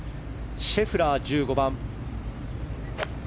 シェフラー、１５番。